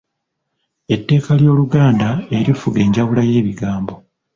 Etteeka ly’Oluganda erifuga enjawula y’ebigambo.